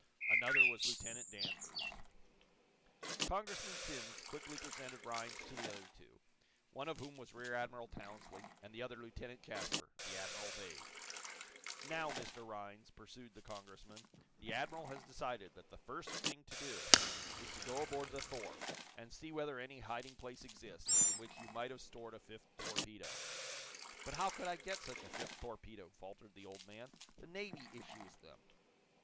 Another was Lieutenant Danvers. Congressman Simms quickly presented Rhinds to the other two, one of whom was Rear Admiral Townsley, and the other Lieutenant Jasper, the Admiral's aide. "Now, Mr. Rhinds," pursued the Congressman, "the admiral has decided that the first thing to do is to go aboard the 'Thor,' and see whether any hiding place exists in which you might have stored a fifth torpedo." "But how could I get such a fifth torpedo?" faltered the old man. "The Navy issues them."